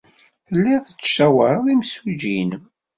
Telliḍ tettcawaṛeḍ imsujji-nnem.